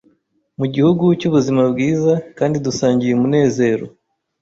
mugihugu cyubuzima bwiza kandi dusangiye umunezero.